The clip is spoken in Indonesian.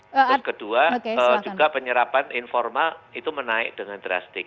terus kedua juga penyerapan informal itu menaik dengan drastis